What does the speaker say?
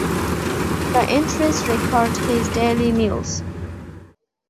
The entries record his daily meals.